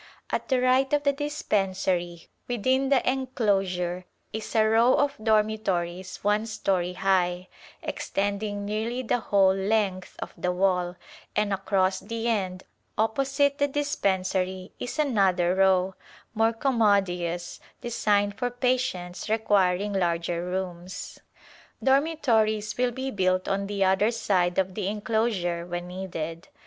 At the right of the dispen sary within the enclosure is a row of dormitories one story high, extending nearly the whole length of the wall, and across the end, opposite the dispensary is another row, more commodious, designed for patients requiring larger rooms. Dormitories will be built on the other side of the enclosure when needed.